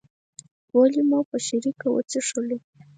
ولې مو په شریکه وڅښلو.